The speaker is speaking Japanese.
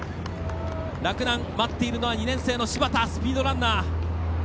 洛南、待っているのは２年生の柴田、スピードランナー。